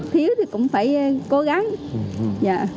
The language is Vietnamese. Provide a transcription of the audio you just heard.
thiếu thì cũng phải cố gắng